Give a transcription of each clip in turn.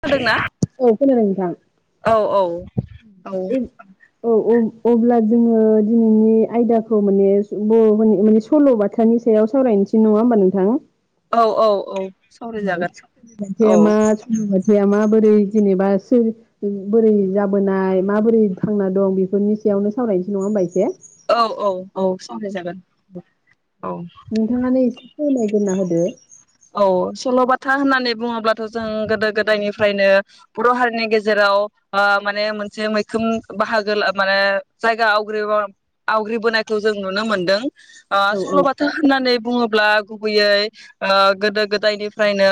नादोंना औ खोनादों नोंथां औ औ औ औ आब अब्ला जोङो दिनैनि आयदाखौ माने स बर'फोरनि माने सल' बाथ्रानि सायाव सावरायनोसै नङा होमबा नोंथां औ औ औ सावरायजागोन औ [unintelligible] साया माबोरै जेनेबा सोर बोरै जाबोनाय माबोरै थांना दं बेफोरनि सायावनो सावरायनोसै नङा होनबा एसे औ औ औ सावरायजागोन औ नोंथाङानो एसे फोरमायगोरना होदो औ सल'बाथा होननानै बुङोब्लाथ' जों गोदो गोदायनिफ्रायनो बर' हारिनि गेजेराव ओ माने मोनसे मैखोम बाहागो ला माने जायगा आवग्रि आवग्रिबोनायखौ जों नुनो मोनदों ओ औ सल'बाथा होननानै बुङोब्ला गुबैयै ओ गोदो गोदायनि निफ्रायनो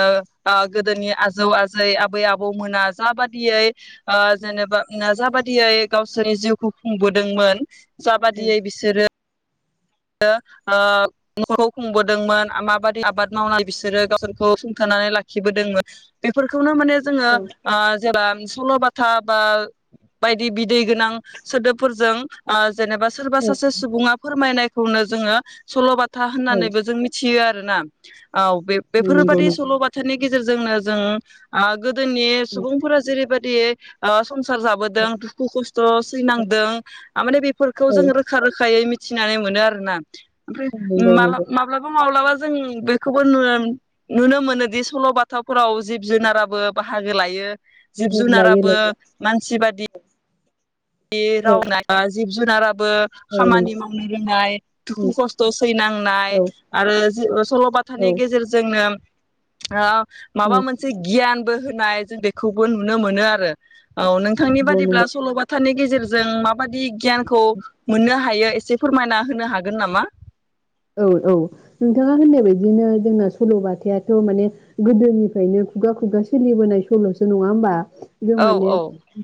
ओ गोदोनि आजौ आ जै आबै आबौमोना जाबादियै ओ जेनेबा नाजाबा दियै गावसोरनि जिउखौ खुंबोदोंमोन जा बादियै बिसोरो ओ न'खौ खुंबोदोंमोन माबायदि आबाद मावनाय बिसोरो गावसोरखौ सुंथानानै लाखिबोदोंमोन बेफोरखौनो माने जोङो औ ओ जेब्ला सल'बाथा बा बायदि बिदै गोनां सोदोबफोरजों ओ जेनेबा सोरबा औ सासे सुबुङा फोरमायनाय नो जोङो सल' बाथ बाथा औ होननानैबो जों मिथियो आरो [unintelligible] [unintelligible] औ बे औ नंगौ बेफोरबादि नंगौ सल' बाथानि गेजेरजोंनो जों ओ गोदोनि सुबुंफोरा जेरैबा दि ओ संसार जाबोदों दुखु खस्थ' सैनांदों आमाने बेफोरखौ औ जों रोखा रोखायै थिनानै मोनो आरो ना ओमफ्राय नंगौ नंगौ माला-माब्लाबा माब्लाबा जोंनि बेखौबो नुनो मोनोदि सल' बाथाफोराव जिब जुनाराबो बाहागो लायो जिब औ लायो जुनाराबो लायो मानसि बादि दि औ राव [unintelligible] जिब जुनारा बो औ नंगौ खामानि मावनो रोंनाय दुखु खस्थ' सैनांनाय औ आरो जि ओस सल'बाथानि औ गेजेरजोंनो ओ माबा नंगौ मोनसे गियानबो हो नाय जों बेखौबो नुनो मोनो आरो। औ नोंथांनि बादिब्ला नंगौ सल'बाथ नि गेजेरजों माबादि गियानखौ मोननो हायो? एसे फोरमायना होनो हागोन नामा? औ औ नोंथाङा होननाय बादिनो जोंना सल'बाथायाथ' माने गोदोनिफ्रायनो खुगा खुगा सोलिबोनाय सल'सो नङा होमबा? जों औ माने औ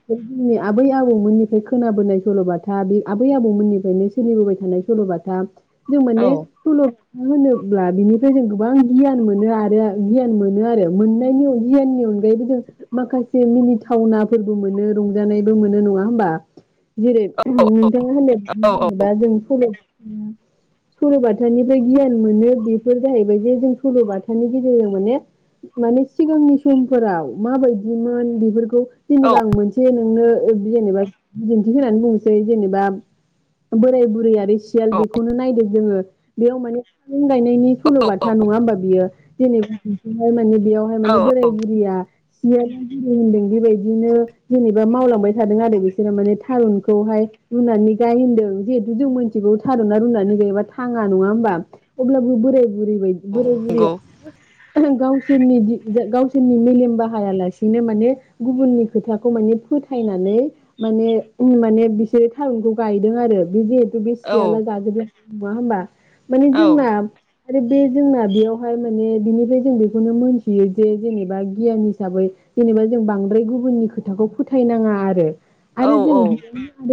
जोंनि आबै आबौमोननिफ्राय खोनाबोनाय सल'बाथा बे आबै आबौमोननिफ्रायनो सोलिबोबाय थानाय सल'बाथा जों औ माने औ सल' होनोब्ला बिनिफ्राय जों गोबां गियान मोनो आरो गियान मोनो आरो मोननायनि गियाननि अनगायैबो जों माखासे मिनिथावनाफोरबो मोनो रंजानायबो मोनो नङा होनबा? जेरै नोंथाङा होननाय औ बादि जेनेबा जों सल' सल'बाथानिफ्राय गियान मोनो बेफोर जाहैबाय जे जों सल'बाथानि गेजेरजों माने माने सिगांनि समफोराव माबायदिमोन बेफोरखौ औ जेनेबा आं मोनसे नोंनो जेनेबा ओ बिदिन्थि होननानै बुंनोसै जेनेबा बोराय बुरै आरो सियाल बेखौनो नायदो जोङो बेयाव माने बिफां गायनायनि सल'बाथा नङा होमबा बियो जेनेबाहाय माने बेयावहाय औ माने बोराय बुरिया सियालनि बुद्दिजों होनदों बेबायदिनो जेनेबा मावलांबाय थादों आरो बिसोरो माने थारुनखौहाय रुनानै गाय होनदों जिहेतु जों मिथिगौ थारुना रुनानै गायबा थांआ नङा होमबा अब्लाबो बोराय बुरै बायदि औ बोराय बुरैया नंगौ गावसोरनि दि गावसोर मेलेम बाहाया लासेनो माने गुबुननि खोथाखौ माने फोथायनानै माने माने बिसोरो थारुनखौ गायदों आरो बे बे औ सियाला जाजोबो नङा होमबा? माने औ जोंना आरो बे जोंना बेयावहाय माने बिनिफ्राय जों बेखौनो मोनथियो दि जेनेबा गियान हिसाबै जेनेबा जों बांद्राय गुबुननि खोथाखौ फोथायनाङा आरो औ आरो जों औ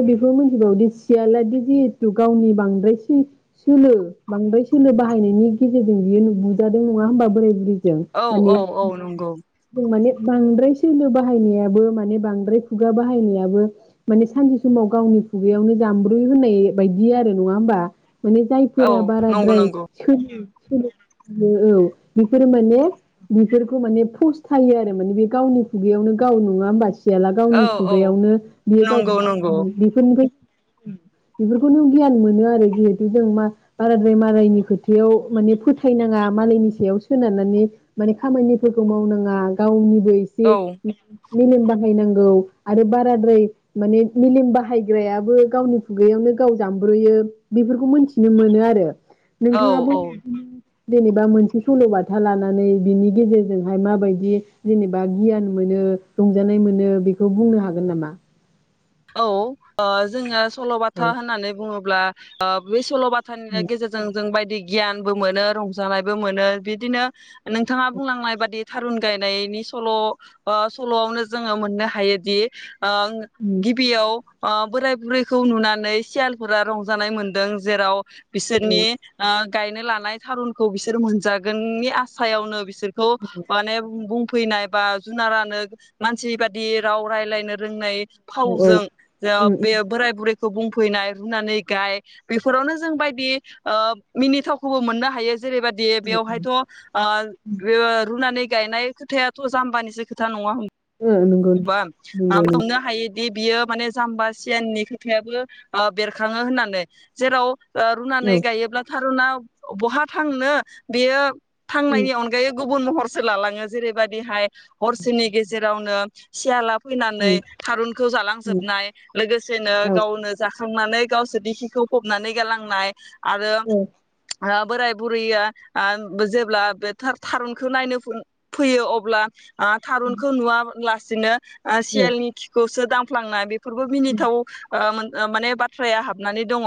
बेखौ मिथिबावोदि सियालादि जिहेथु गावनि बांद्राय सोलो बांद्राय सोलो बाहायनायनि गेजेरजों बियो बुजादों नङा होमबा बोराय बुरै जों माने नंगौ जों माने बांद्राय सोलो बाहायनायाबो माने बांद्राय खुगा बाहायनायाबो माने सानसे समाव गावनि खुगायावनो जाम्ब्रयो होननाय बायदि आरो नङा होमबा? माने औ जायफोरा नंगौ बाराद्राय नंगौ सोलि औ बिसोरो माने बिसोरफोरखौ माने फस्थायो आरो माने बे गावनि खुगायावनो गाव नङा होमबा? सियाला औ गावनि औ खुगायावनो बियो गाव नंगौ नंगौ बेफोरनिफ्राय बेफोरखौनो गियान मोनो आरो बे जों मा बाराद्राय मालायनि खोथायाव माने फोथायनाङा मालायनि सायाव सोनारनानै माने खामानिफोरखौ मावनाङा गावनि औ [unintelligible] मेलेम बाहायनांगौ आरो बाराद्राय माने मेलेम बाहायग्रायाबो गावनि खुगायावनो गाव जामब्रयो। बेफोरखौ मोनथिनो मोनो आरो। औ नोंथाङाबो औ जेनेबा मोनसे सल'बाथा लानानै बिनि गेजेरजोंहाय माबायदि जेनेबा गियान मोनो रंजानाय मोनो बेखौ बुंनो हागोन नामा? औ ओ जोङो सल'बाथा होननानै बुङोब्ला ब्ला ओ [unintelligible] सल'बाथानि गेजेरजों जों बाय गियानबो मोनो रंजानायबो मोनो बिदिनो। नोंथाङा बुंलांनाय बादि। थारुन गायनायनि सल' ओ सल'आवनो जोङो मोननो हायोदि ओ औ गिबियाव ओ बोराय बुरैखौ नुनानै सियालफोरा रंजानाय मोनदों जेराव बिसोरनि ओ गायनो लानाय थारुनखौ बिसोर मोनजागोननि आसायावनो बि बिसोरखौ माने बुं फैनाय बा जुनारानो मानसि बादि राव रायलायनो रोंनाय औ औ फावजों जा औ बे बोराय बुरै बुंफैनाय रुनानै गाय बेफोरावनो जों बायदि मिनिथावखौबो मोननो हायो। जेरैबायाददि बेयावहायथ' रुनानै गायनाय खोथायाथ' जाम्बानिसो खोथा नङा होमबा ओम नंगौ नंगौ नंगौ दि बियो माने जाम्बा सियाननि खोथायाबो बेरखाङो होननानै जेराव ओ रुनानै औ गायोब्ला थारूना बहा थांनो बेयो उम थांनायनि अनगायै गुबुन महरसो लालाङो जेरैबायदिहाय हरसेनि गेजेरावनो सियाला फैनानै उम थारुनखौ उम जालांजोबनाय लोगोसेनो औ गावनो जाखांनानै गावसोर दिखिखौ फबनानै गालांनाय। आरो औ ओ बोराय बुरैया आ जेब्ला ओ जेब्ला बे था-थारुनखौ नायनो फैयो अब्ला आ थारुनखौ नुवा ला सिनो ओ औ सियालनि खिखौसो दां फ्लांना बे फोरबो मिनिथाव ओ मोन माने बाथ्राया हाबनानै दङ'।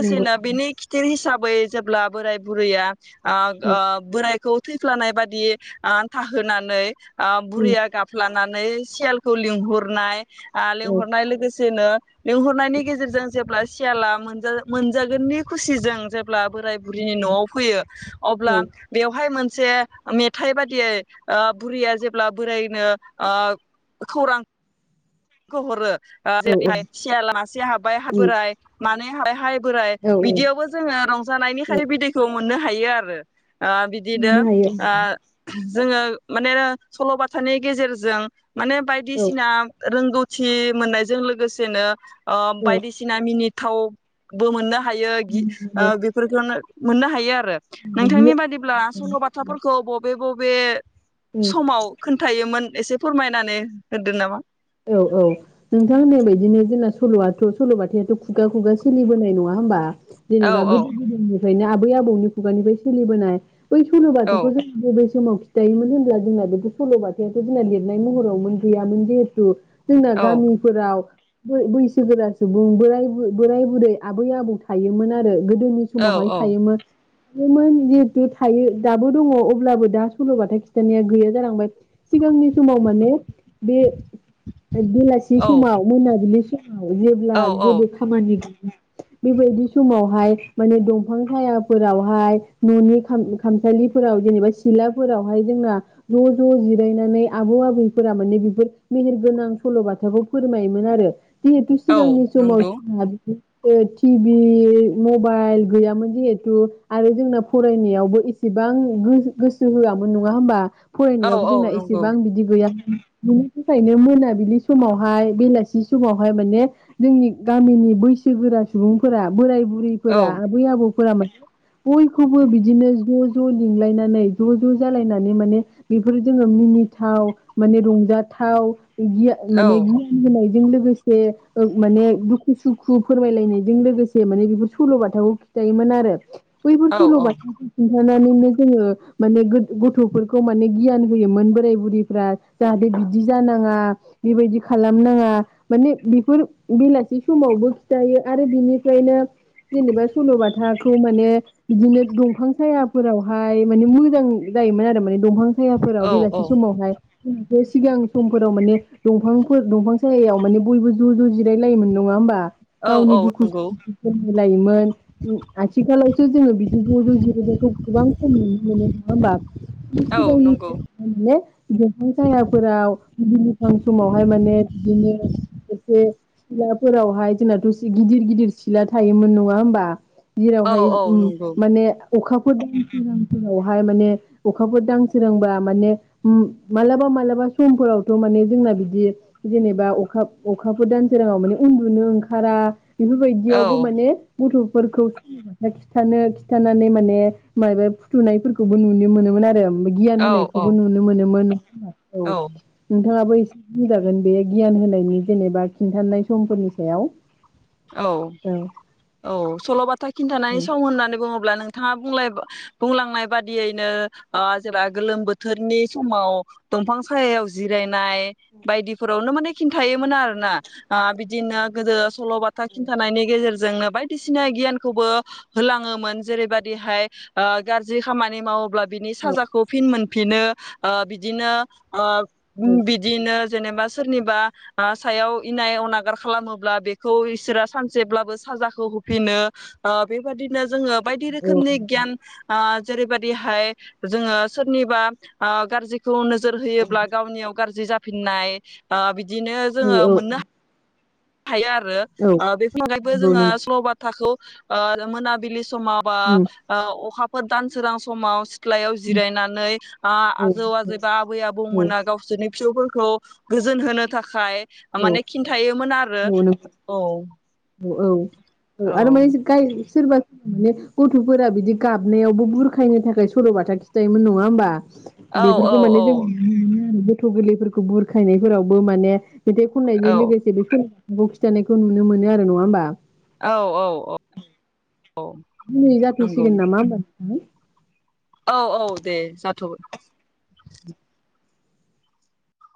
नंगौ औ बिनि खिथिर हिसाब गुबै जेब्ला बोराय बुरैया आक आक बोराय खौ थैफ्लानाय बादि आ थाहोनानै आ उम औ बुरिया गाफ्ला नानै सियालखौ लिंहरनाय आ औ लेंंहरनाय लोगोसेनो लिंहरनायनि गेजेरजों जेब्ला सियाला मोनजा मोनजागोननि खुसिजों जे ब्ला बोराय बुरिनि न'आव फैयो अब्ला बेवहाय मोन से मेथाइ बादियै ओ बुरैया जेब्ला बोरायनो ओ खौरां खौ हरो ओ जे बिहाय सियाला मासे हाबबाय हाय बोराय मा नै हाय हाय बोराय उम औ औ बिदियावबो जोङो रंजानायनि खाय बिदैखौ मोननो हायो आरो ओ बिदिनो मोननो हायो ओ जोङो माने सल'बाथानि गेजेरजों माने औ बायदिसिना रोंगौथि मोननायजों लोगोसेनो ओ औ बायदिसिना मिनि थावबो मोननो हायो गि बेफोरखौनो मोननो हायो आरो बिदि नोंथांनि बादिब्ला सल' बाथाफोरखौ बबे बब बे उम समाव खोन्थायोमोन एसे फोरमायनानै होदों नामा? औ औ नोंथां होननाय बादिनो जोंना सल' आथ' सल'बाथायाथ' खुगा खुगा सोलिबोनाय नङा होमबा औ जेनेबा औ गोदो गोदायनि फायनो आबै आबौनि खुगानिफ्राय सोलिबोनाय बै औ सलबाथाखौ जों गोदो सल' खिथायोमोन होनब्ला जोंना बेथ' सल'बायावसो जोंना लिरनाय महरावमोन गैयामोन जेहे थु जोंना औ गामिफोराव बै बैसोगोरा सुबुं बोराइ बुरै आबै आबौ थायोमोन आरो गोदोनि औ समावहाय थायोमोन योमोन जिहेथु थायो दाबो दङ अब्लाबो दा सल'बाथा खिन्थानाया गैया जालांबाय सिगांनि समाव माने बेलासि औ समाव मोनाबिलि सम औ जेब्ला जेबो खामानि बेबायदि समावहाय माने दंफां सायाफोरावहाय न'नि खाम खामसालिफोराव जेनेबा सिलाफोरावहाय जोंना ज' ज' जिरायनानै आबौ आबैफोरा माने बेफोर मेहेरगोनां सल'बाथाखौ फोरमायोमोन आरो जेहेथु औ सिगांनि समाव नंगौ जाहा बिदि टिभि मबाइल गैयामोन जिहेथु आरो जोंना फरायनायावबो एसेबां गो-गोसो होआमोन नङा होमबा। औ फरायनायावबो औ जोंना नंगौ एसेबां बिदि गैया बिनि नि थाखायनो मोनाबिलि समावहाय बेलासि समावहाय माने जोंनि गामिनि बैसोगोरा सुबुंफोरा बोराय बु औ रैफोरा आबै आबौफोरा माने बयखौबो बिदिनो ज' ज' लिंलायनानै ज' ज' जालायनानै माने बेफोर जोङो मिनिथाव माने रंजा थाव गिया औ माने गियान होनाय जों लोगोसे ओ माने दुखु सुखु फोरमायलायनायजों लोगोसे माने बेफोर सल' बाथाखौ खिथायोमोन आरो बैफोर औ सल' बाथाफोरखौ थानानैनो जोङो माने गथ'फोरखौ माने गियान होयोमोन बोराय बुरिफ्रा जाहाथे बि बिदि जानाङा बेबायदि खालामनाङा माने बेफोर बेलासि समावबो खिथायो आरो बिनिफ्रायनो जेनेबा सल'बाथाखौ माने बिदिनो दंफां सायाफोरावहाय माने मोजां जायोमोन आरो माने दंफां औ सायाफोराव बेलासि समावहाय [unintelligible] सिगां समफोराव माने दंफांफोर दंफां सायायाव माने बयबो ज' ज' जिरायलायोमोन नङा होमबा औ गावनि औ दुखु नंगौ सुखु [unintelligible] लायोमोन आथिखालावसो जोङो बिदि ज' ज' जिरानायखौ गोबां खम नुनो मोनो नङा होमबा औ नंगौ सिगांनिफ्राय माने दंफां साया फोराव बिलिफां समावहाय माने बिदिनो बे सिलाफोरावहाय जोंनाथ' इसे गिदिर गिदिर सिला थायोमोन नङा होमबा औ जेरावहाय औ ओम नंगौ माने अखाफोर दां सोरांफोरावहाय माने अखाफोर दां सोरांबा माने मालाबा मालाबा समफोरावथ' माने जोंना बिदि जेनेबा अखा अखाफोर दानसोराङाव माने उन्दुनो ओंखारा औ बेफोरबायदियावबो माने गथ' फोरखौ खिथानो खिथानानै माने माबा फुथुनायफोरखौबो नुनो मोनोमोन आरो गियान औ होनायखौबो औ नुनो मोनोमोन। [unintelligible] औ नोंथाङाबो एसे बुंजागोन बे गियान होनायनि जेनोबा खिन्थानाय समफोरनि सायाव। औ औ सल'बाथा औ खिनथानानै सम होननानै बुङो ब्ला नोंथाङा बुंलाय बुंलांनाय बादियैनो ओ जेब्ला गोलोम बोथोरनि समाव दंफां सायाव जिरायनाय बायदिफोरावनो माने खि थायोमोन आरो ना ओ बि दिनो गोदो सल' था खिनथानायनि गेजेर जोंनो बायदिसिना गियानखौबो होलाङोमोन जेरैबायदिहाय ओ गाज्रि खामानि मावोब्ला बिनि साजाखौ फिन मोन फिनो ओ बिदिनो ओ ओम बिदिनो जेनोबा सोरनिबा आ सायाव इनाय अनागार खालामोब्ला बेखौ इ सोरा सानसेब्लाबो साजाखौ होफिनो ओ बेबदिनो जोङो बायदि औ रोखोमनि गियान ओ जेरैबायदिहाय जोङो सोरनिबा ओ गाज्रिखौ नो जोर होयोब्ला गावनियाव गाज्रि जा फिननाय ओ बि दिनो औ जोङो मोननो हा थायो आरो औ ओ बेफोरनि अनगायैबो औ जोङो औ सल'बाथाखौ ओ मोनाबिलि समा बा ओ अखा फोर दान सोरां समाव सि थ्लायाव जिरायनानै ओ आजौ आजैबा आबै आबौमोना गावसोरनि फिसौफोरखौ गोजोन होनो थाखाय माने खिन्थायोमोन आर औ नंगौ ओ औ। औ औ औ आरो माने गाय सोरबा माने गथ'फोरा बिदि गाबनायावबो बुरखायनो थाखाय सल'बाथा खिथायोमोन नङा होमबा? औ औ बेफोरखौ माने जों [unintelligible] गथ' गोरलैफोरखौ बुरखायनायफोरावबो माने मेथाइ खननायजों औ लोगोसे बेफोर [unintelligible] खिथानायखौ नुनो मोनो आरो नङा होमबा? औ औ औ दिनै नंगौ जाथ'सिगोन नामा होमबा? हो औ औ दे जाथ'बाय।